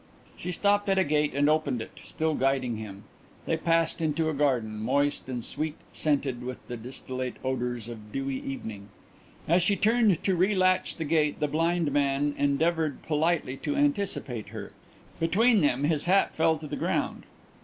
_" She stopped at a gate and opened it, still guiding him. They passed into a garden, moist and sweet scented with the distillate odours of a dewy evening. As she turned to relatch the gate the blind man endeavoured politely to anticipate her. Between them his hat fell to the ground.